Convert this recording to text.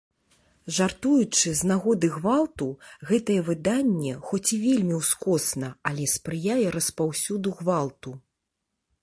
Жартуючы з нагоды гвалту гэтае выданне, хоць і вельмі ўскосна, але спрыяе распаўсюду гвалту.